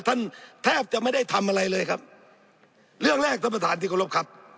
แทบจะไม่ได้ทำอะไรเลยครับเรื่องแรกท่านประธานที่เคารพครับ